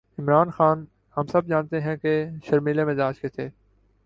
عمران خان، ہم سب جانتے ہیں کہ شرمیلے مزاج کے تھے۔